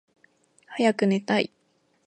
はやくねたい